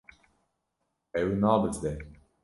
Ew nabizde.